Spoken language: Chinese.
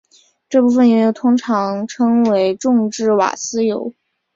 这部分原油通常称为重质瓦斯油。